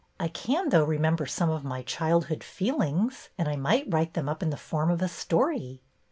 I can, though, remem ber some of my childhood feelings, and I might write them up in the form of a story.